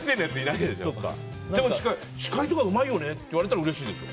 でも、司会とかうまいよねって言われたらうれしいでしょ？